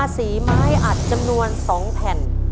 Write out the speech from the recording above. สีไม้อัดจำนวน๒แผ่น